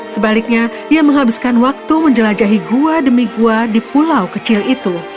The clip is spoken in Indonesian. sebaliknya ia menghabiskan waktu menjelajahi gua demi gua di pulau kecil itu